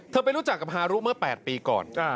ไปรู้จักกับฮารุเมื่อ๘ปีก่อน